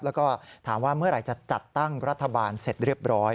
แล้วก็ถามว่าเมื่อไหร่จะจัดตั้งรัฐบาลเสร็จเรียบร้อย